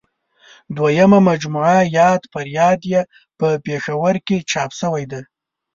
دویمه مجموعه یاد فریاد یې په پېښور کې چاپ شوې ده.